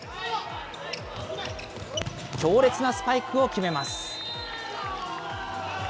強烈なスパイクを決めます。